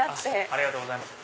ありがとうございます。